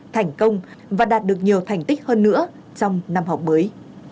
thành công và đạt được nhiều thành tích hơn nữa trong năm học mới